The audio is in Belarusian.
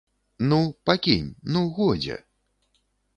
Ну, пакінь, ну, годзе.